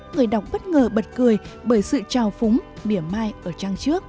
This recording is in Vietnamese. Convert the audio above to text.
người đọc bất ngờ bật cười bởi sự trào phúng biển mai ở trang trước